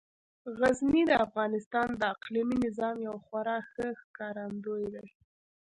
غزني د افغانستان د اقلیمي نظام یو خورا ښه ښکارندوی دی.